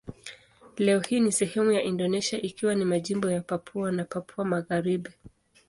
Leo hii ni sehemu ya Indonesia ikiwa ni majimbo ya Papua na Papua Magharibi.